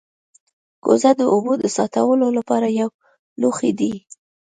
کوزه د اوبو د ساتلو لپاره یو لوښی دی